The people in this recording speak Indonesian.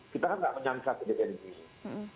kita kan tidak menyangka sejajarnya ini